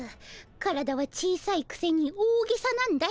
体は小さいくせに大げさなんだよ。